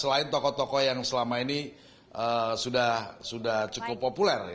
ada kok tokoi yang selama ini sudah cukup populer